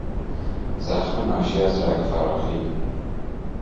زخم ناشی از رگ فراخی